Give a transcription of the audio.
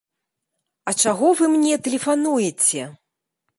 А чаго вы мне тэлефануеце?